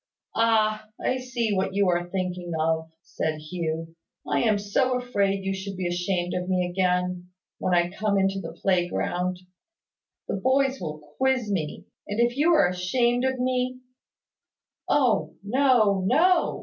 "Ah! I see what you are thinking of," said Hugh. "I am so afraid you should be ashamed of me again, when I come into the playground. The boys will quiz me; and if you are ashamed of me " "Oh, no, no!"